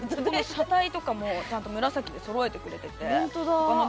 車体とかも紫でそろえてくれていて。